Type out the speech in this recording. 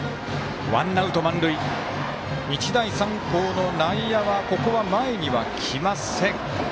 日大三高の内野はここは前には来ません。